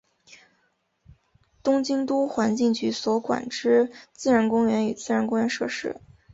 东京都环境局所管之自然公园与自然公园设施。